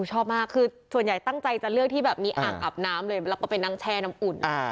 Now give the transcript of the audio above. ชอบมากคือส่วนใหญ่ตั้งใจจะเลือกที่แบบมีอ่างอาบน้ำเลยแล้วก็ไปนั่งแช่น้ำอุ่น